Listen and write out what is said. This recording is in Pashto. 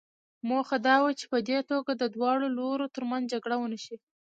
موخه دا وه چې په دې توګه د دواړو لورو ترمنځ جګړه ونه شي.